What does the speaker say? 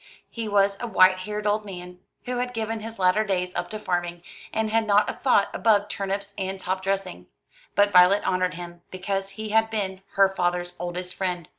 He was a white haired old man, who had given his latter days up to farming, and had not a thought above turnips and top dressing; but Violet honoured him, because he had been her father's oldest friend.